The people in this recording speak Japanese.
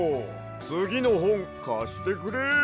つぎのほんかしてくれ！